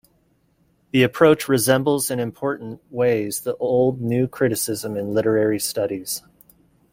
The approach resembles in important ways the old New Criticism in literary studies.